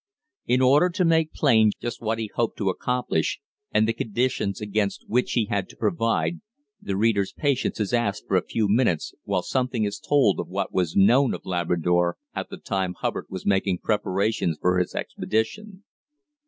In order to make plain just what he hoped to accomplish and the conditions against which he had to provide, the reader's patience is asked for a few minutes while something is told of what was known of Labrador at the time Hubbard was making preparations for his expedition.